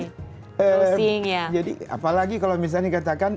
closing ya jadi apalagi kalau misalnya dikatakan